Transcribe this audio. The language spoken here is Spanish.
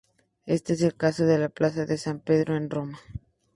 Este es el caso de la Plaza de San Pedro en Roma.